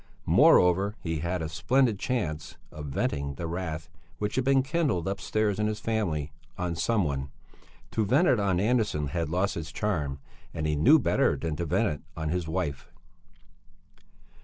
Moreover he had had a splendid chance of venting the wrath which had been kindled upstairs, in his family, on some one; to vent it on Andersson had lost its charm; and he knew better than to vent it on his wife.